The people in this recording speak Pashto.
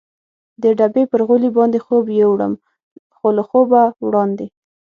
د ډبې پر غولي باندې خوب یووړم، خو له خوبه وړاندې.